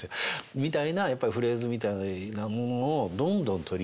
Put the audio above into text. みたいなやっぱりフレーズみたいなものをどんどん取り入れてきて。